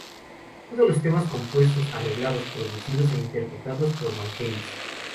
Todos los temas compuestos, arreglados, producidos e interpretados por Vangelis.